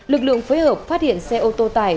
lực lượng phối hợp phát hiện xe ô tô tải